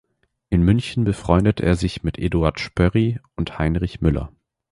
In München befreundete er sich mit Eduard Spörri und Heinrich Müller.